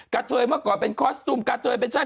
กระเทยเมื่อก่อนเป็นคอสตูมกะเทยเป็นช่าง